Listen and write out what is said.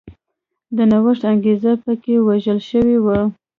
د نوښت انګېزه په کې وژل شوې وه.